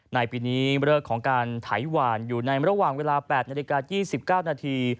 ในปีนี้เลิกของการไถหวานอยู่ในระหว่างเวลา๘นาฬิกา๒๙นาที